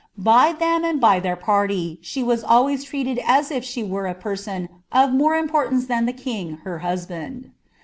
By them and by their party she was always treated as if she rere a person of more importance than the king her husband.